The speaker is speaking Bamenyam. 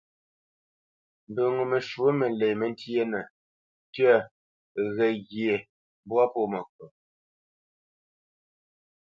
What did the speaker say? Mbə ŋo məshwǒ məlě məntyénə: tyə̂, ghəghye, mbwâ pô məkot.